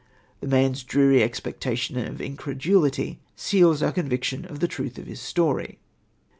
The man's dreary expectation of incredulity seals our conviction of the truth of his story.